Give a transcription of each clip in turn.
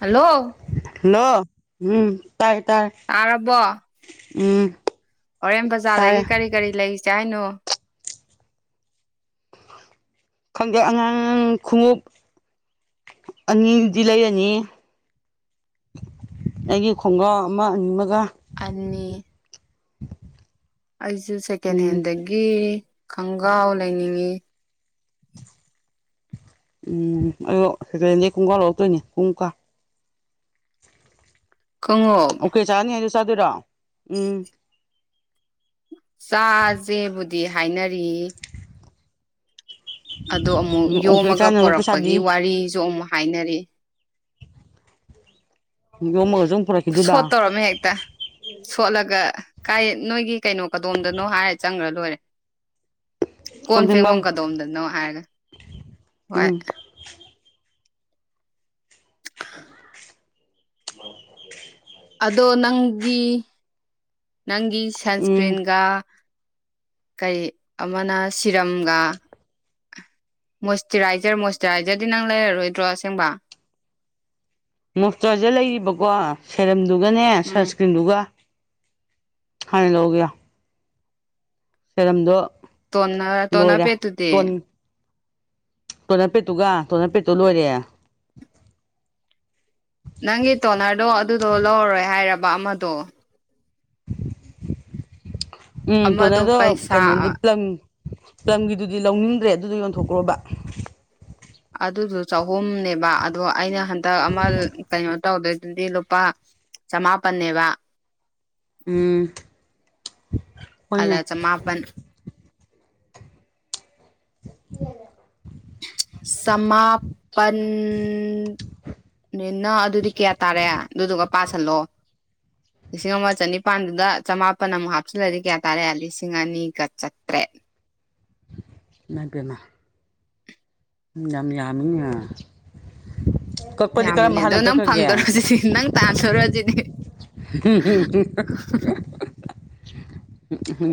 Hello hello ꯎꯝ ꯇꯥꯏ ꯇꯥꯏ ꯇꯥꯔꯕ‌ꯣ ꯎꯝ ꯍꯣꯔꯦꯟ ꯕꯖꯥꯔꯗꯒꯤ ꯇꯥꯔꯦ ꯀꯔꯤ ꯀꯔꯤ ꯂꯩꯖ‌ꯦ ꯍꯥꯏꯅꯣ ꯈꯪꯗꯦ ꯑꯉꯥꯡ ꯈꯣꯡꯎꯞ ꯑꯅꯤꯗꯤ ꯂꯩ ꯌꯅꯤ ꯑꯩꯒꯤ ꯈꯣꯡꯒꯥꯎ ꯑꯃ ꯑꯅꯤꯃꯒ ꯑꯅꯤ ꯑꯩꯖꯨ ꯁꯦꯀꯦꯟ ꯎꯝ ꯍꯦꯟꯗꯒꯤ ꯈꯪꯒꯥꯎ ꯂꯩꯅꯤꯡꯉꯤ ꯎꯝ ꯑꯗꯣ ꯁꯦꯀꯦꯟꯗꯗꯤ ꯀꯨꯡꯀꯥ ꯂꯧꯔꯛꯇꯣꯏꯅꯦ ꯀꯨꯡꯀꯥ ꯈꯣꯉꯨꯞ ꯑꯣꯀꯦ ꯆꯥꯅꯤ ꯍꯥꯏꯗ ꯆꯥꯗꯣꯏꯔꯣ ꯎꯝ ꯆꯥꯖꯦꯕꯨꯗꯤ ꯍꯥꯏꯅꯔꯤ ꯑꯗꯣ ꯑꯃꯨꯛ ꯎꯝ ꯑꯣꯀꯦ ꯌꯣꯝꯃꯒ ꯆꯥꯅꯕ ꯄꯨꯣꯔꯛꯄꯒꯤ ꯄꯩꯁꯥꯗꯤ ꯋꯥꯔꯤꯁꯨ ꯑꯃꯨꯛ ꯍꯥꯏꯅꯔꯤ ꯌꯣꯝꯃꯒꯁꯨ ꯑꯃꯨꯛ ꯄꯨꯔꯛꯈꯤꯗꯣꯏꯕ ꯁꯣꯠ ꯇꯧꯔꯝꯃꯤ ꯍꯦꯛꯇ ꯁꯣꯠꯂꯒ ꯀꯥꯏ ꯅꯣꯏꯒꯤ ꯀꯩꯅꯣ ꯀꯗꯣꯝꯗꯅꯣ ꯍꯥꯏꯔ ꯆꯪꯒ꯭ꯔ ꯂ‌ꯣꯏꯔꯦ꯫ ꯀꯣꯟ ꯐꯦꯡꯕꯝ ꯀꯗꯣꯝꯗꯅꯣ ꯍꯥꯏꯔꯒ ꯍꯣꯏ ꯎꯝ ꯑꯗꯣ ꯅꯪꯒꯤ ꯅꯪꯒꯤ ꯎꯝ ꯁꯟꯁꯀ꯭ꯔꯤꯟꯒ ꯀꯩ ꯑꯃꯅ ꯁꯤꯔꯝꯒ ꯃꯣꯏꯆꯇꯨꯔꯥꯏꯖꯔ ꯃꯣꯏꯆꯇꯨꯔꯥꯏꯖꯔꯗꯤ ꯅꯪ ꯂꯩꯔꯔꯣꯏꯗ꯭ꯔꯣ ꯑꯁꯦꯡꯕ ꯃꯣꯏꯁꯇꯨꯔꯥꯏꯖꯔ ꯂꯩꯔꯤꯕꯀꯣ ꯁꯦꯔꯝꯗꯨꯒꯅꯦ ꯎꯝ ꯁꯟꯁꯀ꯭ꯔꯤꯟꯗꯨꯒ ꯍꯥꯏꯅ ꯂꯧꯒ‌‌ꯦ ꯌꯥ ꯁꯦꯔꯝꯗꯣ ꯇꯣꯅꯔ ꯇꯣꯅꯥ ꯂꯣꯏꯔꯦ ꯄꯦꯠꯇꯨꯗꯤ ꯇꯣꯅꯄꯦꯠꯇꯨꯒ ꯇꯣꯅꯔꯄꯦꯠꯇꯨ ꯂꯣꯏꯔꯦ ꯅꯪꯒꯤ ꯇꯣꯅꯔꯗꯣ ꯑꯗꯨꯗꯣ ꯂꯧꯔꯔꯣꯏ ꯍꯥꯏꯔꯕ ꯑꯃꯗꯣ ꯎꯝ ꯑꯃꯗꯣ ꯇ‌ꯣꯅꯗ‌‌ꯣ ꯄꯩꯁꯥ ꯀꯩꯅꯣꯗ ꯄ꯭ꯂꯪ ꯄ꯭ꯂꯝꯒꯤꯗꯨꯗꯤ ꯂꯧꯅꯤꯡꯗ꯭ꯔꯦ ꯑꯗꯨꯗꯣ ꯌꯣꯟꯊꯣꯛꯈ꯭ꯔꯣꯕ ꯑꯗꯨꯗ‌ꯣ ꯆꯍꯨꯝꯅꯦꯕ ꯑꯗꯣ ꯑꯩꯅ ꯍꯟꯗꯛ ꯑꯃ ꯀꯩꯅꯣ ꯇꯧꯗꯣꯏꯗꯨꯗꯤ ꯂꯨꯄꯥ ꯆꯃꯥꯄꯟꯅꯦꯕ ꯎꯝ ꯍꯣꯏꯅꯦ ꯑꯂ ꯆꯃꯥꯄꯟ ꯆꯃꯥꯄꯟ ꯅꯤꯅ ꯑꯗꯨꯗꯤ ꯀꯌꯥ ꯇꯥꯔꯦ ꯑꯗꯨꯗꯨꯒ ꯄꯥꯁꯜꯂꯣ ꯂꯤꯁꯤꯡ ꯑꯃ ꯆꯅꯤꯄꯥꯥꯟꯗꯨꯗ ꯆꯃꯥꯄꯟ ꯑꯃꯨꯛ ꯍꯥꯞꯆꯤꯜꯂꯗꯤ ꯀꯌꯥ ꯇꯥꯔꯦ ꯂꯤꯁꯤꯡ ꯑꯅꯤꯒ ꯆꯥꯇ꯭ꯔꯦꯠ ꯃꯥꯏ ꯄ‌‌ꯦꯝ ꯃ ꯌꯥꯝ ꯌꯥꯃꯤꯅ‌‌ꯦ ꯌꯥꯝꯃꯜꯂꯦ ꯑꯗꯣ ꯅꯪ ꯐꯪꯗꯣꯔꯖꯤꯗꯤ ꯅꯪ ꯇꯥꯟꯗꯣꯔꯆꯤꯅꯤ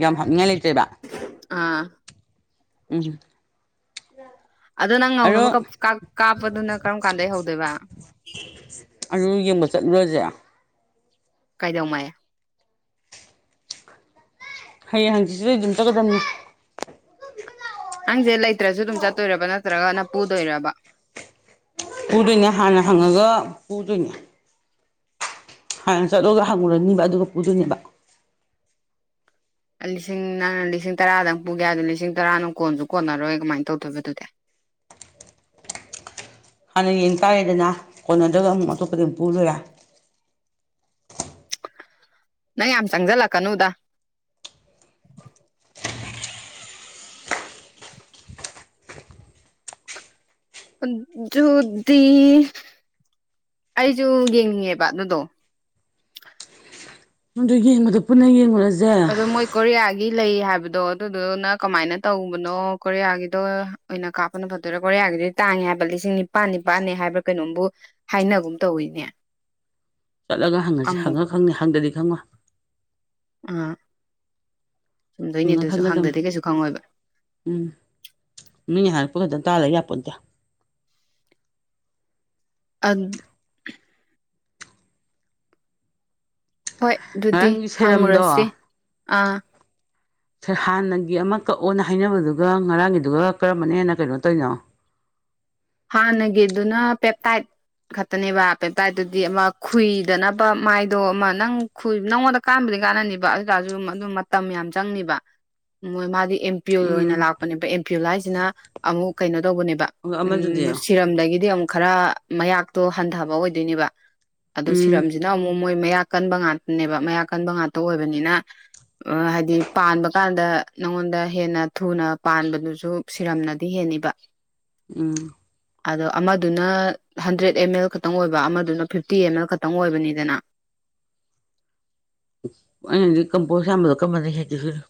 ꯌꯥꯝ ꯍꯥꯞꯅꯤꯡꯉꯥꯏ ꯂꯩꯇꯦꯕ ꯑꯥ ꯎꯝ ꯑꯗꯣ ꯅꯪ ꯉꯧꯅꯕ ꯑꯗꯣ ꯀꯞ ꯀꯥꯞ ꯀꯥꯞꯄꯗꯨꯅ ꯀꯔꯝ ꯀꯥꯟꯗꯩ ꯍꯧꯗꯣꯏꯕ ꯑꯗꯨ ꯌꯦꯡꯕ ꯆꯠꯂꯨꯔꯁꯦ ꯀꯩꯗꯧꯉꯩ ꯍꯌꯦꯡ ꯍꯪꯆꯤꯠꯁꯤꯗꯩ ꯑꯗꯨꯝ ꯆꯠꯀꯗꯝꯅꯤ ꯅꯪꯁꯦ ꯂꯩꯇ꯭ꯔꯁꯨ ꯑꯗꯨꯝ ꯆꯠꯇꯣꯏꯔꯕ ꯅꯠꯇ꯭ꯔꯒꯅ ꯄꯨꯗꯣꯏꯔꯕ ꯄꯨꯗꯣꯏꯅꯦ ꯍꯥꯟꯅ ꯍꯪꯉꯒ ꯄꯨꯗꯣꯏꯅꯦ ꯍꯥꯟꯅ ꯆꯠꯂꯨꯔꯒ ꯍꯪꯉꯨꯔꯅꯤꯕ ꯑꯗꯨꯒ ꯄꯨꯗꯨꯅꯦꯕ ꯂꯤꯁꯤꯡ ꯅꯪꯅꯥ ꯂꯤꯁꯤꯡ ꯇꯔꯥꯗꯪ ꯄꯨꯒꯦ ꯍꯥꯏꯗꯣ ꯂꯤꯁꯤꯡ ꯇꯔꯥꯅ ꯀꯣꯟꯁꯨ ꯀꯣꯟꯅꯔꯣꯏ ꯀꯃꯥꯏ ꯇꯧꯗꯣꯏꯕ ꯑꯗꯨꯗꯤ ꯍꯥꯟꯅ ꯌꯦꯡ ꯇꯥꯔꯦꯗꯅ ꯀꯣꯟꯅꯗ꯭ꯔꯒ ꯑꯃꯨꯛ ꯑꯇꯣꯞꯄꯗꯩ ꯑꯃꯨꯛ ꯄꯨꯔ ꯂꯣꯢꯔꯦ ꯅꯪ ꯌꯥꯝ ꯆꯪꯁꯤꯜꯂꯛꯀꯅꯨꯗ ꯑꯗꯨꯗꯤ ꯑꯩꯁꯨ ꯌꯦꯡꯅꯤꯡꯉꯦꯕ ꯑꯗꯨꯗꯣ ꯅꯪꯗꯣ ꯌꯦꯡꯕꯗ ꯄꯨꯟꯅ ꯌꯦꯡꯉꯨꯔꯁꯦ ꯗꯨ ꯃꯣꯏ ꯀꯣꯔꯤꯌꯥꯒꯤ ꯂꯩ ꯍꯥꯏꯕꯗꯣ ꯑꯗꯨ ꯗꯨꯅ ꯀꯃꯥꯏꯅ ꯇꯧꯕꯅꯣ ꯀꯣꯔꯤꯌꯥꯒꯤꯗꯣ ꯑꯣꯏꯅ ꯀꯥꯞꯄꯅ ꯐꯠꯗꯣꯏꯔ ꯀꯣꯔꯤꯌꯥꯒꯤꯗꯨꯗꯤ ꯇꯥꯡꯉꯦ ꯍꯥꯏꯕ ꯂꯤꯁꯤꯡ ꯅꯤꯄꯥꯟ ꯅꯤꯄꯥꯟꯅꯦ ꯍꯥꯏꯕꯔ꯭ꯥ ꯀꯩꯅꯣꯝꯕꯨ- ꯍꯥꯏꯅꯒꯨꯝ ꯇꯧꯋꯤꯅꯦ ꯆꯠꯂꯒ ꯍꯪꯉꯁꯤ ꯑꯃꯨꯛ ꯍꯪꯉ ꯈꯪꯅꯤ ꯍꯪꯗꯗꯤ ꯈꯪꯉꯣꯏ ꯎꯝ ꯗꯣꯏꯅꯤ ꯍꯪꯉ ꯑꯗꯨꯁꯨ ꯈꯪꯒꯗꯝꯅꯤ ꯍꯪꯗꯗꯤ ꯀꯩꯁꯨ ꯈꯪꯉꯣꯏꯕ ꯎꯝ ꯃꯤꯅ ꯍꯥꯏꯔꯛꯄ ꯈꯛꯇꯪ ꯇꯥ ꯂꯩ ꯌꯥꯄꯣꯟꯇꯦ ꯑꯗꯨ ꯍꯣꯏ ꯗꯨꯗꯤ ꯉꯔꯥꯡꯒꯤ ꯁꯦꯔꯝꯗꯣ ꯍꯪꯉꯨꯔꯁꯤ ꯑ- ꯍꯥꯟꯅꯒꯤ ꯑꯃ ꯀꯛꯑꯣꯅ ꯍꯥꯏꯅꯕꯗꯨꯒ ꯉꯔꯥꯡꯒꯤꯗꯨꯒ ꯀꯔꯝꯕꯅ ꯍꯦꯟꯅ ꯀꯩꯅꯣ ꯇꯣꯔꯤꯅꯣ ꯍꯥꯟꯅꯒꯤꯗꯨꯅ ꯄꯦꯞꯇꯥꯢꯗ ꯈꯛꯇꯅꯦꯕ ꯄꯦꯞꯄꯥꯏꯗꯨꯗꯤ ꯑꯃ ꯈꯨꯨꯏꯗꯅꯕ ꯃꯥꯏꯗꯣ ꯑꯃ ꯅꯪ ꯈꯨꯏ ꯅꯪꯉꯣꯟꯗ ꯀꯥꯟꯕꯨꯗꯤ ꯀꯥꯟꯅꯅꯤꯕ ꯑꯗꯨꯇꯥꯔꯖꯨ ꯑꯗꯨ ꯃꯇꯝ ꯌꯥꯝ ꯆꯪꯅꯤꯕ ꯃꯣꯏ ꯃꯥꯗꯤ ꯑꯦꯝ ꯄꯤꯌꯨꯜ ꯑꯣꯏꯅ ꯎꯝ ꯂꯥꯛꯄꯅꯦꯕ ꯑꯦꯝ ꯄꯤꯌꯜ ꯍꯥꯏꯁꯤꯅ ꯑꯃꯨꯛ ꯀꯩꯅꯣ ꯇꯧꯕꯅꯦꯕ ꯑꯃꯗꯨꯗꯤ ꯎꯝ ꯁꯤꯔꯝꯗꯒꯤꯗꯤ ꯑꯃꯨꯛ ꯈꯔ ꯃꯌꯥꯛꯇꯣ ꯍꯟꯊꯕ ꯑꯣꯏꯗꯣꯏꯅꯦꯕ ꯑꯗꯨ ꯎꯝ ꯁꯤꯔꯝꯁꯤꯗ ꯅ ꯑꯃꯨꯛ ꯃꯣꯏ ꯃꯌꯥꯛ ꯀꯟꯕ ꯉꯥꯛꯇꯅꯦꯕ ꯃꯌꯥꯛ ꯀꯟꯕ ꯉꯥꯛꯇ ꯑꯣꯏꯕꯅꯤꯅ ꯑ- ꯍꯥꯏꯗꯤ ꯄꯥꯟꯕꯀꯥꯟꯗ ꯅꯪꯉꯣꯟꯗ ꯍꯦꯟꯅ ꯊꯨꯅ ꯄꯥꯟꯕꯗꯨꯁꯨ ꯁꯤꯔꯝꯅꯗꯤ ꯍꯦꯟꯅꯤꯕꯥ ꯎꯝ ꯑꯗꯣ ꯑꯃꯗꯨꯅ ꯍꯟꯗ꯭ꯔꯦꯗ ꯑꯦꯝꯃꯦꯜ ꯈꯛꯇꯪ ꯑꯣꯏꯕ ꯑꯃꯗꯨꯅ ꯐꯤꯞꯇꯤ ꯑꯦꯝꯃꯦꯜ ꯈꯛꯇꯪ ꯑꯣꯏꯕꯅꯤꯗꯅꯥ ꯑꯩꯅꯗꯤ ꯀꯝꯄꯣꯁ ꯌꯥꯝꯕꯗꯣ ꯀꯝꯕꯅ ꯍꯦꯟꯒꯦ ꯁꯤꯅꯤ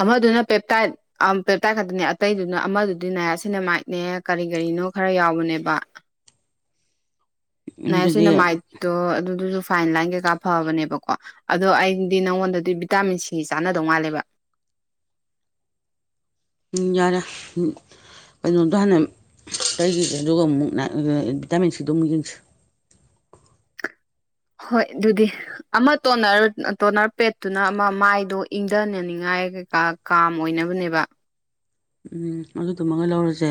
ꯑꯃꯗꯨꯅ ꯄꯦꯞꯇꯥꯏꯠ ꯑꯝ ꯄꯦꯞꯇꯥꯏꯠ ꯈꯛꯇꯅꯦ ꯑꯇꯩꯗꯨꯅ ꯑꯃꯗꯨꯗꯤ ꯅꯥꯌꯥꯁꯤꯅꯦꯃꯥꯏꯠꯅꯦ ꯀꯔꯤ ꯀꯔꯤꯅꯣ ꯈꯔ ꯌꯥꯎꯕꯅꯦꯕ ꯑꯗꯨꯗꯤ ꯁꯤꯅ ꯃꯥꯏꯠꯇꯣ ꯑꯗꯨꯗꯨꯁꯨ ꯐꯥꯏꯟ ꯂꯥꯏꯟ ꯀꯩꯀꯥ ꯐꯕꯅꯦꯕꯀꯣ ꯑꯗꯣ ꯑꯩꯗꯤ ꯅꯪꯉꯣꯟꯗꯗꯤ ꯚꯤꯇꯥꯃꯤꯟ ꯁꯤ ꯆꯥꯟꯅꯗꯧ ꯃꯥꯜꯂꯦꯕ ꯎꯝ ꯌꯥꯔꯦ ꯎꯝ ꯀꯩꯅꯣꯗꯣ ꯍꯥꯟꯅ ꯇꯩꯒꯤꯒꯦ ꯑꯗꯨꯒ ꯑꯃꯨꯛ ꯚꯤꯇꯥꯃꯤꯟ ꯁꯤꯗꯣ ꯑꯃꯨꯛ ꯌꯦꯡꯁꯤ ꯍꯣꯏ ꯗꯨꯗꯤ ꯑꯃ ꯇꯣꯅꯔ ꯇꯣꯅꯔ ꯄꯦꯠꯇꯨꯅ ꯑꯃ ꯃꯥꯏꯗꯣ ꯏꯪꯊꯅꯅꯤꯡꯉꯥꯏ ꯀꯩꯀꯥ ꯀꯥꯝ ꯑꯣꯏꯅꯕꯅꯦꯕ ꯎꯝ ꯑꯗꯨꯗꯨꯃꯒꯥ ꯂꯧꯔꯁꯦ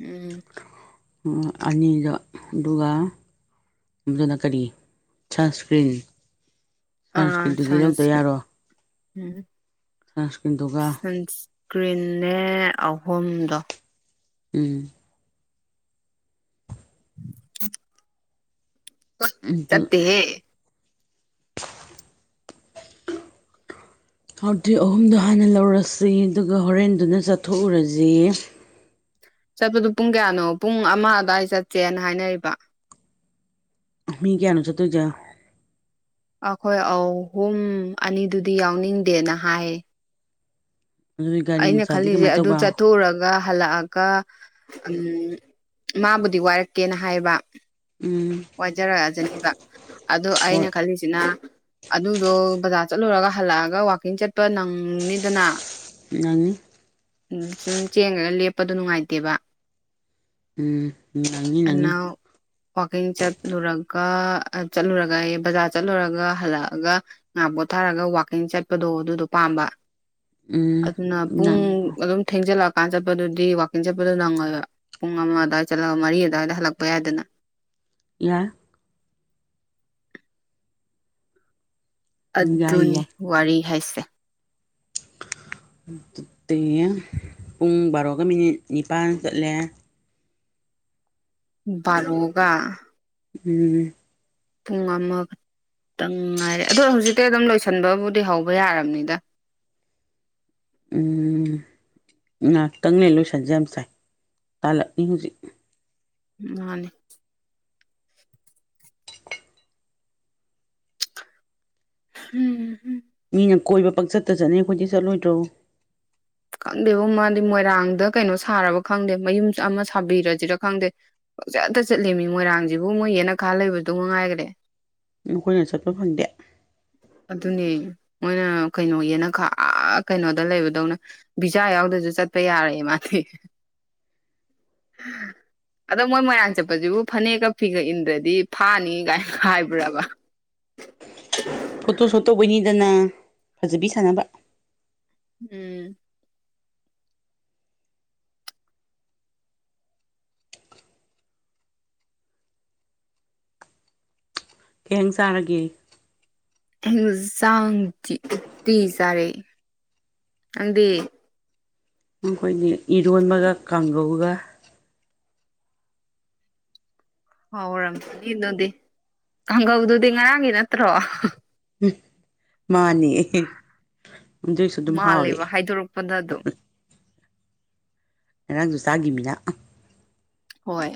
ꯎꯝ ꯑꯅꯤꯗꯣ ꯑꯗꯨꯒ ꯑꯗꯨꯅ ꯀꯔꯤ ꯁꯟꯁꯀ꯭ꯔꯤꯟ ꯑꯥ ꯁꯟꯁꯀ꯭ꯔꯤꯟꯗꯨꯗꯤ ꯂꯧꯗ ꯁꯟꯁꯀ꯭ꯔꯤꯟ ꯌꯥꯔꯣꯢ ꯎꯝ ꯁꯟꯁꯀ꯭ꯔꯤꯟꯗꯨ ꯁꯟꯁꯀ꯭ꯔꯤꯟꯅꯦ ꯑꯍꯨꯝꯗꯣ ꯎꯝ ꯑꯗꯨ ꯆꯠꯇꯦꯍꯦ ꯍꯥꯎꯗꯤꯤ ꯑꯍꯨꯝꯗꯣ ꯍꯥꯟꯅ ꯂꯧꯔꯁꯤ ꯑꯗꯨꯒ ꯍꯣꯔꯦꯟꯗꯨꯅ ꯆꯥꯊꯣꯛꯎꯔꯁꯤ ꯆꯠꯄꯗꯨꯣ ꯄꯨꯡ ꯀꯌꯥꯅꯣ ꯄꯨꯡ ꯑꯃ ꯑꯗꯨꯗꯥꯋꯥꯏ ꯆꯠꯁꯦꯅ ꯍꯥꯏꯅꯔꯤꯕ ꯃꯤ ꯀꯌꯥꯅ ꯆ ꯇꯨꯖ ꯑꯩꯈꯣꯏ ꯑꯧꯍꯨꯝ ꯑꯅꯤꯗꯨꯗꯤ ꯌꯥꯎꯅꯤꯡꯗꯦꯅ ꯍꯥꯏ ꯑꯗꯨꯒꯤ ꯒꯥꯔꯤ ꯑꯩꯅ ꯃꯆꯥꯗꯤ ꯈꯜꯂꯤꯖꯦ ꯀꯃꯥꯏꯅ ꯑꯗꯨ ꯇꯧꯕ ꯆꯠꯊꯣꯛꯎꯔ ꯒ ꯍꯜꯂꯛꯑꯒ ꯎꯝ ꯃꯥꯕꯨꯗꯤ ꯋꯥꯏꯔꯛꯀꯦꯅ ꯍꯥꯏꯌꯦꯕ ꯎꯝ- ꯋꯥꯏꯖꯔꯛꯑꯖꯅꯤꯕ ꯑꯗꯣ ꯑꯩꯅ ꯍꯣꯏ ꯈꯜꯂꯤꯁꯤꯅꯥ ꯑꯗꯨꯗꯣ ꯕꯖꯥꯔ ꯆꯠꯂꯨꯔꯒ ꯍꯜꯂꯛꯑꯒ ꯋꯥꯋꯥꯛꯀꯤꯡ ꯆꯠꯄ ꯅꯪꯅꯤꯗꯅ ꯑꯅꯤ ꯎ ꯁꯨꯝ ꯆꯦꯡꯉꯒ ꯂꯦꯞꯄꯗꯣ ꯅꯨꯡꯉꯥꯏꯇꯦꯕ ꯎꯝ ꯅꯪꯅꯤ-ꯅꯪꯅꯤ꯫ ꯑꯩꯡ ꯆꯠꯂꯨꯔꯒ ꯆꯠꯂꯨꯔꯒ ꯑꯩ ꯕꯖꯥꯔ ꯆꯠꯂꯨꯔꯒ ꯍꯜꯂꯛꯑꯒ ꯉꯍꯥꯛ ꯄꯣꯠꯊꯥꯔꯒ ꯋꯥꯛꯀꯤꯡ ꯆꯠꯄꯗꯣ ꯑꯗꯨꯗꯣ ꯄꯥꯝꯕ ꯎꯝ ꯑꯗꯨꯅ ꯄꯨꯡ ꯅꯪ ꯑꯗꯨꯝ ꯊꯦꯡꯖꯤꯜꯂꯛ ꯃꯄꯥꯟ ꯆꯠꯄꯗꯨꯗꯤ ꯋꯥꯛꯀꯤꯡ ꯆꯠꯄꯗꯨꯣ ꯅꯪꯉꯣꯏꯕ ꯄꯨꯡ ꯑꯃ ꯑꯗꯨꯋꯥꯏꯗ ꯆꯠꯂꯒ ꯃꯔꯤ ꯑꯗꯨꯋꯥꯏꯗ ꯍꯜꯂꯛꯄ ꯌꯥꯏꯗꯅ ꯌꯥꯏ ꯌꯥꯏ ꯑꯗꯨꯅꯤ ꯌꯥꯏ ꯋꯥꯔꯤ ꯍꯥꯏꯁꯦ꯫ ꯑꯗꯨ ꯄꯨꯡ ꯕꯥꯔꯣꯒ ꯃꯤꯅꯤꯠ ꯅꯤꯄꯜ ꯆꯠꯂꯦ ꯔꯣꯒ ꯎꯝꯝ ꯄꯨꯡ ꯑꯃ-ꯇꯪ ꯉꯥꯏꯔꯦ ꯑꯗꯣ ꯍꯧꯖꯤꯛꯇꯩ ꯑꯗꯨꯝ ꯂꯣꯏꯁꯟꯕꯕꯨꯗꯤ ꯍꯧꯕ ꯌꯥꯔꯝꯅꯤꯗꯥ ꯎꯝ ꯉꯥꯏꯍꯥꯛꯇꯪꯅꯦ ꯂꯣꯏꯁꯟꯁꯦ ꯌꯥꯝ ꯁꯥꯏ ꯇꯥꯜꯂꯛꯅꯤ ꯍꯧꯖꯤꯛ ꯃꯥꯅꯦ ꯎꯝ ꯃꯤꯅ ꯀꯣꯏꯕ ꯄꯛꯆꯠꯇ ꯆꯠꯅꯤ ꯑꯩꯈꯣꯏꯗꯤ ꯆꯠꯂꯣꯏꯗ꯭ꯔꯣ ꯈꯪꯗꯦꯕ ꯃꯥꯗꯤ ꯃꯣꯏꯔꯥꯡꯗ ꯀꯩꯅꯣ ꯁꯥꯔꯕ ꯈꯪꯗꯦ ꯃꯌꯨꯝ ꯑꯃ ꯁꯥꯕꯤꯔꯁꯤꯔ ꯈꯪꯗꯦ ꯄꯖꯥꯗ ꯆꯠꯂꯤꯃꯤ ꯃꯣꯏꯔꯥꯡꯁꯤꯕꯨ ꯃꯣꯏ ꯍꯦꯅ ꯈꯥ ꯂꯩꯕꯗꯣ ꯉꯉꯥꯏꯈ꯭ꯔꯦ ꯎꯝ ꯈꯣꯏꯅ ꯆꯠꯄ ꯐꯪꯗꯦ ꯑꯗꯨꯅꯦ ꯃꯣꯏꯅ ꯀꯩꯅꯣꯒꯤꯅ ꯈꯔ ꯀꯩꯅꯣꯗ ꯂꯩꯕꯗꯧꯅ ꯕꯤꯖꯥ ꯌꯥꯎꯗꯖꯨ ꯆꯠꯄ ꯌꯥꯔꯣꯏꯌꯦ ꯃꯥꯗꯤ ꯑꯗꯣ ꯃꯣꯏ ꯃꯣꯏꯔꯥꯡ ꯆꯠꯄꯖꯤꯕꯨ ꯐꯅꯦꯛꯀ ꯐꯤꯒ ꯏꯟꯗ꯭ꯔꯗꯤ ꯐꯥꯅꯤꯒꯥꯏ ꯍꯥꯏꯕ꯭ꯔꯕꯥ ꯐꯣꯇꯣ ꯁꯣꯠ ꯇꯧꯕꯩꯅꯤꯗꯅ ꯐꯖꯕꯤ ꯁꯥꯟꯅꯕ꯫ ꯎꯝ- ꯀꯦꯍꯪ ꯆꯥꯔꯒꯦ? ꯍ ꯆꯥꯡ ꯎꯇꯤ ꯆꯥꯔꯛ ꯈꯪꯗꯤꯦ ꯎꯝ ꯈꯣꯏꯗꯤ ꯏꯔꯣꯟꯕꯒ ꯀꯥꯡꯒꯧꯒ ꯍꯥꯎꯔꯝ-ꯅꯤ ꯗꯨꯗꯤ ꯀꯥꯡꯒꯧꯗꯨꯗꯤ ꯉꯔꯥꯡꯒꯤ ꯅꯠꯇ꯭ꯔꯣ? ꯎꯝ ꯃꯥꯅꯦ ꯑꯗꯨꯏꯁꯨ ꯑꯗꯨꯝ ꯃꯥꯜꯂꯦꯕ ꯍꯥꯎꯔꯑꯦ ꯍꯥꯏꯗꯣꯔꯛꯄꯗ ꯑꯗꯨꯝ ꯉꯔꯥꯡꯁꯨ ꯆꯥꯒꯤꯃꯤꯅꯥ ꯑ ꯍꯣꯏ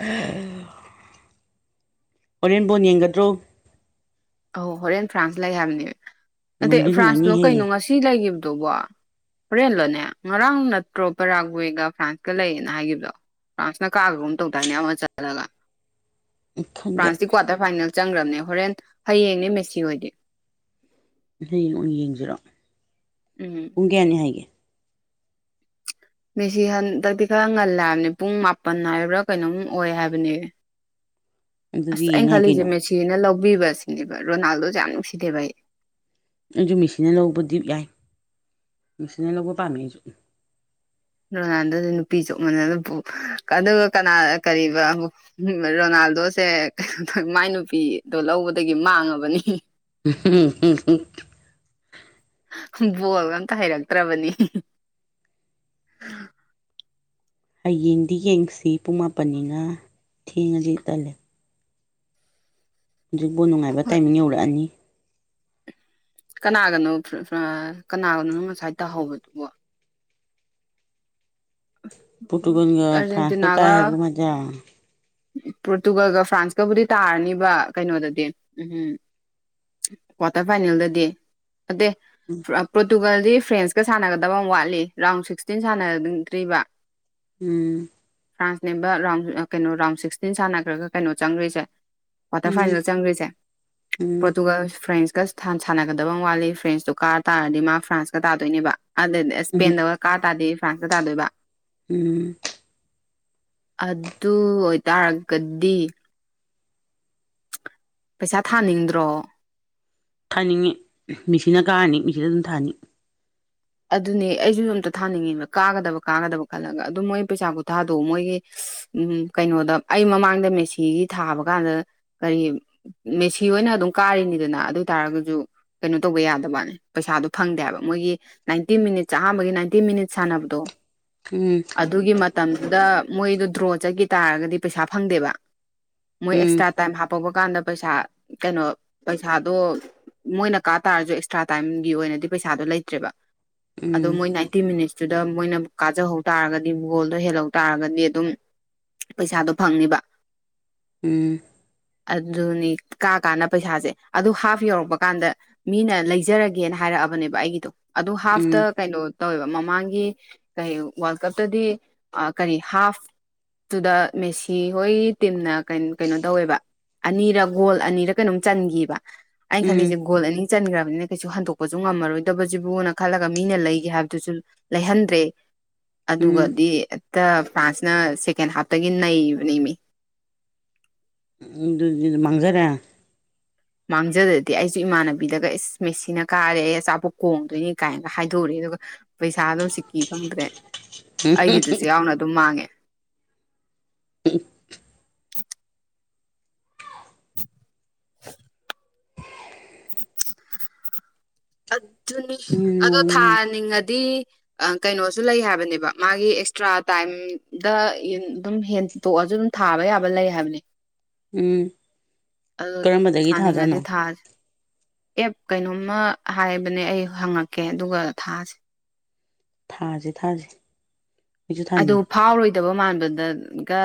ꯎꯝ ꯍꯣꯔꯦꯟ ꯕꯣꯟ ꯌꯦꯡꯒꯗ꯭ꯔꯣ ꯑꯧ ꯍꯣꯔꯦꯟ ꯐ꯭ꯔꯥꯟꯁ ꯂꯩ ꯍꯥꯏꯕꯅꯦ ꯅꯠꯇꯦ ꯅꯨꯡꯗꯤ ꯐ꯭ꯔꯥꯟꯁꯂꯣ ꯅꯨꯡꯉꯥꯏꯅꯤꯍꯦ ꯀꯩꯅꯣ ꯉꯁꯤ ꯂꯩꯒꯤꯕꯗꯨꯕꯣ? ꯍꯣꯔꯦꯟꯂꯣꯅꯦ ꯉꯔꯥꯡ ꯅꯠꯇ꯭ꯔꯣ ꯄꯕꯦꯔꯥꯒꯋꯦꯒ ꯐ꯭ꯔꯥꯟꯁꯀ ꯂꯩꯌꯦꯅ ꯍꯥꯏꯈꯤꯕꯗꯣ ꯐ꯭ꯔꯥꯟꯁꯅ ꯀꯥꯒꯒꯨꯝ ꯇꯧꯗꯥꯏꯅꯦ ꯑꯃ ꯆꯜꯂꯒ ꯈꯪꯗꯦ ꯐ꯭ꯔꯥꯟꯁꯀꯤ ꯀ꯭ꯋꯥꯇꯔ ꯐꯥꯏꯅꯦꯜ ꯆꯪꯈ꯭ꯔꯕꯅꯦ ꯍꯣꯔꯦꯟ ꯍꯌꯦꯡꯅꯦ ꯃꯦꯁꯤ ꯍꯣꯏꯗꯤ ꯍꯌꯦꯡꯉ ꯌꯦꯡꯁꯤꯔꯛꯑꯣ ꯎꯝ- ꯄꯨꯡ ꯀꯌꯥꯅꯤ ꯍꯥꯏꯒꯦ ꯃꯤꯁꯤ ꯍꯟꯗꯛꯇꯤ ꯈꯔ ꯉꯜꯂꯦ ꯍꯥꯏꯕꯅꯤ ꯄꯨꯡ ꯃꯥꯄꯟ ꯍꯥꯏꯕ꯭ꯔꯥ ꯀꯩꯅꯣꯝ ꯑꯣꯏ ꯍꯥꯏꯕꯅꯦ ꯑꯗꯨꯗꯤ ꯑꯁ ꯌꯦꯡ ꯑꯩꯅ ꯌꯥꯏ ꯈꯜꯂꯤꯖꯦ ꯀꯩꯅꯣ ꯃꯦꯁꯤꯅ ꯂꯧꯕꯤꯕ ꯁꯤꯅꯦꯕ ꯔꯣꯅꯥꯜꯗꯣꯖꯦ ꯌꯥꯝ ꯅꯨꯡꯁꯤꯗꯦꯕ ꯑꯩ ꯑꯩꯖꯨ ꯃꯦꯁꯤꯅ ꯂꯧꯕꯗꯤ ꯌꯥꯏ ꯃꯦꯁꯤꯅ ꯂꯧꯕ ꯄꯥꯝꯃꯦ ꯑꯩꯖꯨ ꯔꯣꯅꯥꯜꯗꯣꯗꯣ ꯅꯨꯄꯤ ꯆꯣꯛ ꯃꯟꯗꯅ ꯄꯨ ꯑꯗꯨꯒ ꯀꯅꯥ ꯀꯔꯤꯕ ꯔꯣꯅꯥꯜꯗꯣꯁꯦ ꯀꯩꯅꯣ ꯇꯧꯋꯤ ꯃꯥꯏ ꯅꯨꯄꯤ-ꯗꯣ ꯂꯧꯕꯗꯒꯤ ꯃꯥꯡꯉꯥꯕꯅꯤ [unintelligible] ꯕꯣꯜꯒ ꯑꯝꯇ ꯍꯩꯔꯛꯇ꯭ꯔꯕꯅꯤ ꯍꯌꯦꯡꯗꯤ ꯌꯦꯡꯉꯥꯁꯤ ꯄꯨꯡ ꯃꯥꯄꯟꯅꯤꯅꯥ ꯊꯦꯡꯉꯗꯤ ꯇꯜꯂꯦ ꯍꯧꯖꯤꯛꯕꯣꯟ ꯅꯨꯡꯉꯥꯏꯕ ꯍꯣꯏ ꯇꯥꯏꯃꯤꯡ ꯌꯧꯔꯛꯑꯅꯤ ꯀꯅꯥꯒꯅꯣ ꯀꯅꯥꯒꯅꯣ ꯅꯪ ꯉꯁꯥꯏ ꯇꯥꯍꯧꯕꯗꯨꯕꯣ [unintelligible] ꯄꯣꯔꯇꯨꯒꯥꯜꯒ ꯐ꯭ꯔꯥꯟꯁꯀꯥ ꯇꯥꯏ ꯍꯥꯏꯕꯒꯨꯝ ꯍꯥꯏꯗ ꯄꯣꯔꯇꯨꯒꯜꯒꯥ ꯐ꯭ꯔꯥꯟꯁꯀꯥꯕꯨꯗꯤ ꯇꯥꯔꯅꯤꯕ ꯀꯩꯅꯣꯗꯗꯤ ꯎꯝ ꯀ꯭ꯋꯥꯇꯔ ꯐꯥꯏꯅꯦꯜꯗꯗꯤ ꯑꯠꯇꯦ ꯄꯣꯔꯇꯨꯒꯜꯗꯤ ꯐ꯭ꯔꯦꯟꯁꯀꯥ ꯁꯥꯟꯅꯒꯗꯕ ꯑꯃ ꯋꯥꯠꯂꯤ ꯔꯥꯎꯟ ꯁꯤꯛꯁꯇꯤꯟ ꯁꯥꯟꯅ ꯅꯤꯕ ꯎꯝ ꯐ꯭ꯔꯥꯟꯁꯅꯦꯕ ꯔꯥꯎꯟ ꯀꯩꯅꯣ ꯔꯥꯎꯟ ꯁꯤꯛꯁꯇꯤꯟ ꯁꯥꯟꯅꯒ꯭ꯔꯒ ꯀꯩꯅꯣ ꯆꯪꯈ꯭ꯔꯤꯁꯦ ꯀ꯭ꯋꯥꯇꯔ ꯐꯥꯏꯅꯦꯜ ꯆꯪꯒꯔꯤꯁꯦ ꯎꯝ ꯄꯣꯔꯇꯨꯒꯜ ꯐ꯭ꯔꯦꯟꯁꯀꯥ ꯁꯥꯟꯅꯒꯗꯕ ꯋꯥꯠꯂꯤ ꯐ꯭ꯔꯦꯟꯁꯇꯨ ꯀꯥ ꯇꯥꯔꯗꯤ ꯃꯥ ꯐ꯭ꯔꯥꯟꯁꯀꯥ ꯇꯥꯗꯣꯏꯅꯦꯕ ꯑꯗꯨꯗꯤ ꯎꯝ ꯎꯝ ꯏꯁ꯭ꯄꯦꯟꯗꯒ ꯀꯥ ꯇꯥꯗꯤ ꯐ꯭ꯔꯥꯟꯁꯇ ꯇꯥꯗꯣꯏꯕ ꯎꯝ ꯑꯗꯨ ꯑꯣꯏꯇꯥꯔꯒꯗꯤ ꯄꯩꯁꯥ ꯊꯥꯅꯤꯡꯗ꯭ꯔꯣ ꯊꯥꯅꯤꯡꯉꯤ ꯃꯤꯁꯤꯅ ꯀꯥꯔꯅꯤ ꯃꯤꯁꯤꯗ ꯑꯗꯨꯝ ꯊꯥꯅꯤ ꯑꯗꯨꯅꯦ ꯑꯩꯖꯨ ꯑꯝꯇ ꯊꯥꯅꯤꯡꯉꯦꯕ ꯀꯥꯒꯗꯕ ꯀꯥꯒꯗꯕ ꯈꯜꯂꯒ ꯑꯗꯨ ꯃꯣꯏ ꯄꯩꯁꯥ ꯀꯨꯊꯥꯗꯣ ꯃꯣꯏꯒꯤ ꯎꯝ ꯀꯩꯅꯣꯗ ꯑꯩ ꯃꯃꯥꯡꯗ ꯃꯦꯁꯤꯒꯤ ꯊꯥꯕ ꯀꯥꯟꯗ ꯀꯔꯤ ꯃꯦꯁꯤ ꯍꯣꯏꯅ ꯑꯗꯨꯝ ꯀꯥꯔꯤꯅꯤꯗꯅ ꯑꯗꯨ ꯑꯣꯏ ꯇꯔꯥꯒꯖꯨ ꯀꯩꯅꯣ ꯇꯧꯕ ꯌꯥꯗꯕꯅꯦ ꯄꯩꯁꯥꯗꯣ ꯐꯪꯗꯦꯕ ꯃꯣꯏꯒꯤ ꯅꯥꯏꯟꯇꯤ ꯃꯤꯅꯤꯠꯁ ꯑꯍꯥꯟꯕꯒꯤ ꯅꯥꯏꯟꯇꯤ ꯃꯤꯅꯤꯠ ꯁꯥꯟꯅꯕꯗꯣ ꯎꯝ ꯑꯗꯨꯒꯤ ꯃꯇꯝꯗꯨꯗ ꯃꯣꯏꯗꯣ ꯗ꯭ꯔꯣ ꯆꯠꯈꯤ ꯇꯥꯔꯒꯗꯤ ꯄꯩꯁꯥ ꯐꯪꯗꯦꯕ ꯃꯣꯏ ꯎꯝ ꯑꯦꯛꯁꯇ꯭ꯔꯥ ꯇꯥꯏꯝ ꯍꯥꯞꯄꯛꯄ ꯀꯥꯟꯗ ꯄꯩꯁꯥ ꯀꯩꯅꯣ ꯄꯩꯁꯥꯗꯣ ꯃꯣꯏꯅ ꯀꯥ ꯇꯥꯔꯁꯨ ꯑꯦꯛꯁꯇ꯭ꯔꯥ ꯇꯥꯏꯝꯒꯤ ꯑꯣꯏꯅꯗꯤ ꯄꯩꯁꯥꯗꯣ ꯂꯩꯇ꯭ꯔꯦꯕ ꯑꯗꯣ ꯎꯝ ꯃꯣꯏ ꯅꯥꯏꯠꯇꯤ ꯃꯤꯅꯤꯠꯁꯇꯨꯗ ꯃꯣꯏꯅ ꯀꯥꯖꯍꯧ ꯇꯥꯔꯒꯗꯤ ꯒꯣꯜꯗꯣ ꯍꯦꯜꯍꯧ ꯇꯥꯔꯒꯗꯤ ꯑꯗꯨꯝ ꯄꯩꯁꯥꯗꯣ ꯐꯪꯅꯤꯕ ꯎꯝ ꯑꯗꯨꯅꯤ ꯀꯥꯀꯥꯟꯗ ꯄꯩꯁꯥꯖꯦ ꯑꯗꯨ ꯍꯥꯐ ꯌꯧꯔꯛꯄ ꯀꯥꯟꯗ ꯃꯤꯅ ꯂꯩꯖꯔꯒꯦꯅ ꯍꯥꯏꯔꯛꯑꯕꯅꯦꯕ ꯑꯩꯒꯤꯗꯣ ꯑꯗꯨ ꯎꯝ ꯍꯥꯐꯇ ꯎꯝ ꯀꯩꯅꯣ ꯇꯧꯋꯦꯕ ꯃꯃꯥꯡꯒꯤ ꯀꯔꯤ ꯋꯥꯔꯜ ꯀꯞꯇꯗꯤ ꯀꯔꯤ ꯍꯥꯐ ꯇꯨꯗ ꯃꯦꯁꯤ ꯍꯣꯏ ꯇꯤꯝꯅ ꯀꯩꯅꯣ ꯇꯧꯋꯦꯕ ꯑꯅꯤꯔ ꯒꯣꯜ ꯑꯅꯤꯔ ꯀꯩꯅꯣꯝ ꯆꯟꯒꯤꯕ ꯑꯩꯅ ꯎꯝ ꯈꯜꯂꯤꯖꯦ ꯒꯣꯜ ꯑꯅꯤ ꯆꯟꯒ꯭ꯔꯕꯅꯤꯅ ꯀꯩꯁꯨ ꯍꯟꯗꯣꯛꯄꯁꯨ ꯉꯝꯃꯔꯣꯏꯗꯕ ꯖꯤꯕꯨꯣꯅ ꯈꯜꯂꯒ ꯃꯤꯅ ꯂꯩꯒꯦ ꯍꯥꯏꯕꯗꯨꯁꯨ ꯂꯩꯍꯟꯗ꯭ꯔꯦ ꯎꯝ ꯑꯗꯨꯒꯗꯤ ꯇꯥ ꯐ꯭ꯔꯥꯟꯁꯅ ꯁꯦꯀꯦꯟ ꯍꯥꯞꯇꯒꯤ ꯅꯩꯕꯅꯤꯃꯤ ꯑꯗꯨꯗꯔ ꯃꯥꯡꯖꯔꯦ ꯃꯥꯡꯖꯗꯗꯤ ꯑꯩꯁꯨ ꯏꯃꯥꯟꯅꯕꯤꯗꯒ ꯑꯦꯁ ꯃꯦꯁꯤꯅ ꯀꯥꯔꯦ ꯑꯩ ꯑꯆꯥꯄꯣꯠ ꯀꯣꯡꯗꯣꯏꯅꯤ ꯀꯥꯏꯅꯒ ꯍꯥꯏꯗꯣꯛ ꯎꯔꯦ ꯑꯗꯨꯒ ꯄꯩꯁꯥꯗꯣ ꯁꯤꯀꯤ ꯐꯪꯗ꯭ꯔꯦ ꯑꯩꯒꯤꯗꯨꯁꯨ ꯌꯥꯎꯅ ꯑꯗꯨꯝ ꯃꯥꯡꯉꯦ [unintelligible] [inaudible] ꯑꯗꯨꯅꯤ ꯎꯝ ꯑꯗꯣ ꯅꯣꯡ ꯊꯥꯅꯤꯡꯉꯗꯤ ꯀꯩꯅꯣꯁꯨ ꯂꯩ ꯍꯥꯏꯕꯅꯦꯕ ꯃꯥꯒꯤ ꯑꯦꯛꯁꯇ꯭ꯔꯥ ꯇꯥꯏꯝꯗ ꯑꯗꯨꯝ ꯍꯦꯟ ꯗꯣꯛꯑꯁꯨ ꯑꯗꯨꯝ ꯊꯥꯕ ꯌꯥꯕ ꯂꯩ ꯍꯥꯏꯕꯅꯦ ꯎꯝ ꯑꯗꯨ ꯀꯔꯝꯕꯗꯒꯤ ꯊꯥꯖꯥꯠꯅꯣ ꯊꯥꯅꯤꯡꯉꯗꯤ ꯊꯥꯁꯦ ꯑꯦꯞ ꯀꯩꯅꯣꯝꯃ ꯍꯥꯏꯕꯅꯦ ꯑꯩ ꯍꯪꯉꯛꯀꯦ ꯑꯗꯨꯒ ꯊꯥꯁꯦ ꯊꯥꯁꯦ ꯊꯥꯁꯦ ꯑꯩꯁꯨ ꯑꯗꯨ ꯊꯥꯅꯤꯡꯉꯤ ꯐꯥꯎꯔꯣꯏꯗꯕ ꯃꯥꯟꯕꯗꯒ